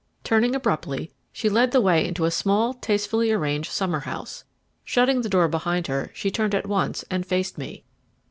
Turning abruptly, she led the way into a small, tastefully arranged summer house. Shutting the door behind her, she turned at once and faced me.